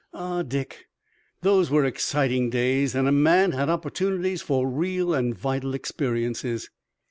Ah, Dick, those were exciting days, and a man had opportunities for real and vital experiences!"